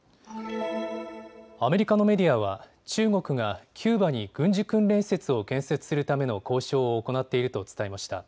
アメリカのメディアは中国がキューバに軍事訓練施設を建設するための交渉を行っていると伝えました。